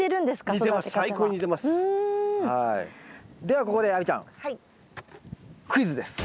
ではここで亜美ちゃんクイズです。